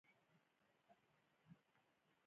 کرنیزې ځمکې اوبو ته اړتیا لري.